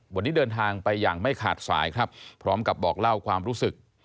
วันนี้เดินทางไปอย่างไม่ขาดสายครับพร้อมกับบอกเล่าความรู้สึก